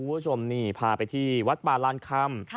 คุณผู้ชมนี่พาไปที่วัดป่าลานคำ